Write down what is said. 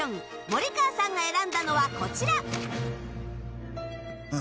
森川さんが選んだのは、こちら。